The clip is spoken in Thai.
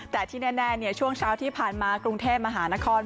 แต่ที่แน่ช่วงเช้าที่ผ่านมากรุงเทพมหานคร